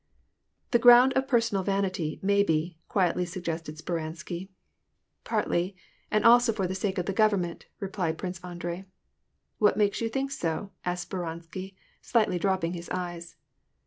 " The ground of personal vanity, maybe," quietly suggested Speransky. " Partly, and also for the sake of the government," replied Prince Andrei. " What makes you think so ?" asked Speransky, slightly dropping his eyes.